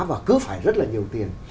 và cứ phải rất là nhiều tiền